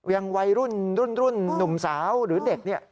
อย่างวัยรุ่นรุ่นหนุ่มสาวหรือเด็ก